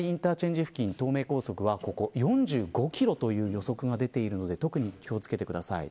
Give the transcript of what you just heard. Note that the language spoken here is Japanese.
付近東名高速は４５キロという予測が出ているので特に気を付けてください。